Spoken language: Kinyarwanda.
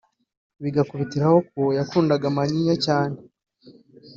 bigakubitiraho ko yakundaga ka manyinya cyane